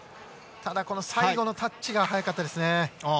ただ、最後のタッチが速かったですね。